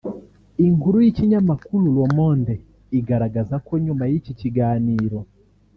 Inkuru y’ikinyamakuru Le Monde igaragaza ko nyuma y’iki kiganiro